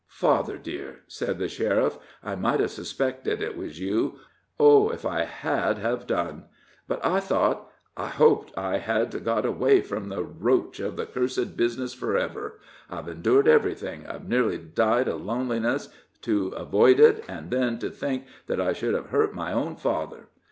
"Father, dear," said the sheriff, "I might have suspected it was you oh! if I had have done! But I thought I hoped I had got away from the roach of the cursed business for ever. I've endured everything I've nearly died of loneliness, to avoid it, and then to think that I should have hurt my own father."